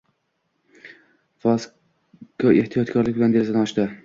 Vasko ehtiyotkorlik bilan derazani ochdi: